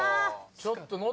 ちょっとノ